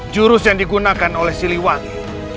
jurus yang digunakan oleh siliwangi